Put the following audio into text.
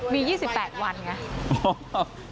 มี๒๘วันไง